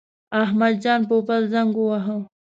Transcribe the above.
احمد جان پوپل زنګ وواهه.